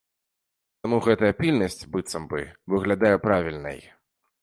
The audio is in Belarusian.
Таму гэтая пільнасць быццам бы выглядае правільнай.